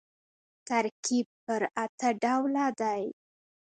ترکیب پر اته ډوله دئ.